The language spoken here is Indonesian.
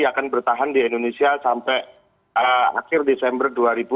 akan bertahan di indonesia sampai akhir desember dua ribu dua puluh